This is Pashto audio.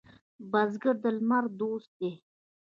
بزګر د لمر دوست دی